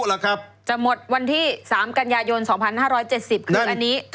จะหมดวันที่๓กันยายน๒๕๗๐คืออันนี้